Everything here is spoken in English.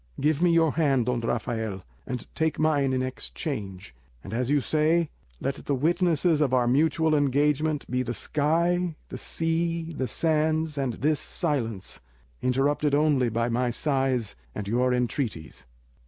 Give me your hand, Don Rafael, and take mine in exchange; and, as you say, let the witnesses of our mutual engagement be the sky, the sea, the sands, and this silence, interrupted only by my sighs and your entreaties."